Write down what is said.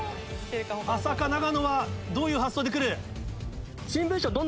安積長野はどういう発想で来る？